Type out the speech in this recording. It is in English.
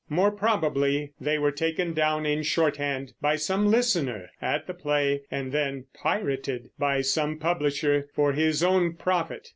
More probably they were taken down in shorthand by some listener at the play and then "pirated" by some publisher for his own profit.